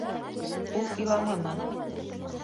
Ул иламаны.